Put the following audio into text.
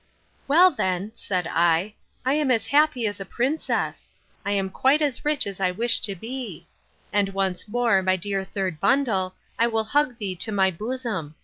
Well then, said I, I am as happy as a princess. I am quite as rich as I wish to be: and once more, my dear third bundle, I will hug thee to my bosom.